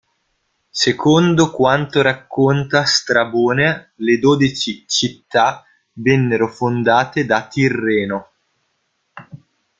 Secondo quanto racconta Strabone, le dodici città vennero fondate da Tirreno.